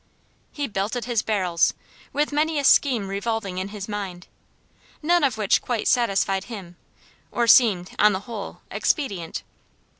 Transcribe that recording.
He belted his barrels, with many a scheme revolving in his mind, none of which quite satisfied him, or seemed, on the whole, expedient.